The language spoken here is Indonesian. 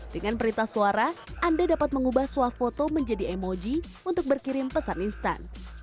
dengan perintah suara anda dapat mengubah suah foto menjadi emoji untuk berkirim pesan instan